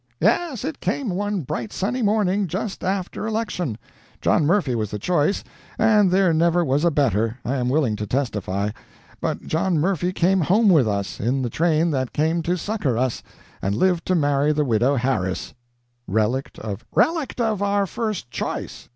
"Yes, it came one bright, sunny morning, just after election. John Murphy was the choice, and there never was a better, I am willing to testify; but John Murphy came home with us, in the train that came to succor us, and lived to marry the widow Harris " "Relict of " "Relict of our first choice.